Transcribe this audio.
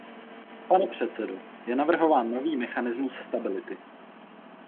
Pane předsedo, je navrhován nový mechanismus stability.